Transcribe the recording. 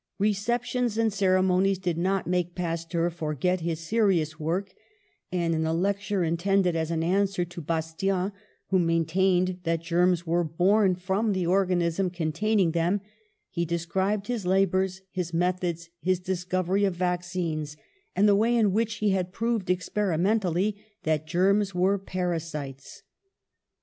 Receptions and ceremonies did not make Pas teur forget his serious work; and in a lecture intended as an answer to Bastian, who main tained that germs were born from the organism containing them, he described his labours, his methods, his discovery of vaccines, and the way in which he had proved experimentally tha+' germs were parasites.